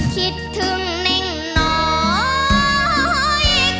คิดถึงเน่งน้อย